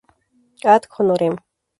Ad Honorem.